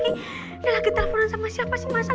dia lagi telponan sama siapa sih masal